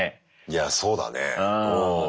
いやそうだね。